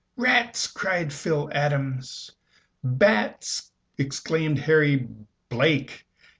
"Rats!" cried Phil Adams. "Bats!" exclaimed Harry Blake.